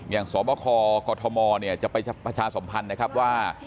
อย่างสบคกฎธมจะไปประชาสมพันธ์นะครับว่า